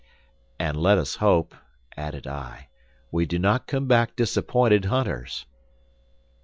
"And let us hope," added I, "we do not come back disappointed hunters."